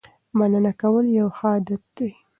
مننه کول یو ښه عادت دی.